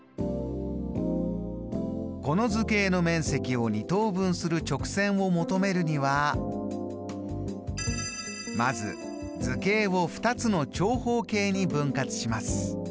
この図形の面積を２等分する直線を求めるにはまず図形を２つの長方形に分割します。